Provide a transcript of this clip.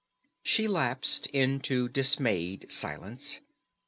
She lapsed into dismayed silence.